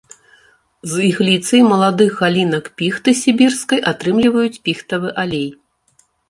З ігліцы і маладых галінак піхты сібірскай атрымліваюць піхтавы алей.